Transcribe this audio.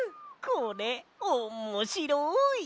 これおもしろい！